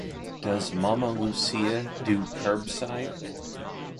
Does Mamma Lucia do curbside?